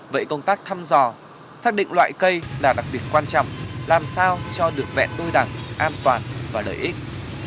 vậy công tác thăm dò xác định loại cây là đặc biệt quan trọng làm sao cho được vẹn đôi đằng an toàn và lợi ích